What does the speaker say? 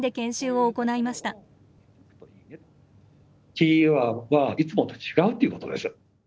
キーワードはいつもと違うということです。